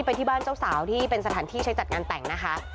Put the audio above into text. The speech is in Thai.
ไปที่บ้านเจ้าสาวที่เป็นสถานที่ใช้จัดงานแต่งนะคะ